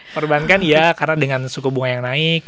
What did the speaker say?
perban kan ya karena dengan suku bunga yang naik